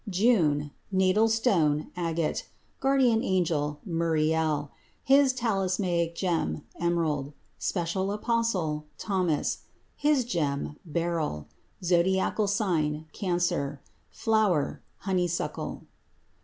JUNE Natal stone Agate. Guardian angel Muriel. His talismanic gem Emerald. Special apostle Thomas. His gem Beryl. Zodiacal sign Cancer. Flower Honeysuckle.